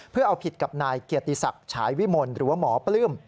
เพื่อเอาผิดกับนายเกียรติศักดิ์ฉายวิมลหรือว่าหมอปลื้ม